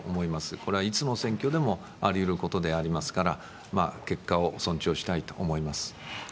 これはいつの選挙でもありうることでありますから、結果を尊重したいと思います。